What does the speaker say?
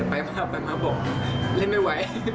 ขับไปมาบอกเล่นไม่ไหว